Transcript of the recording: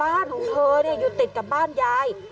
บ้านของเธออยู่ติดกับบ้านยาย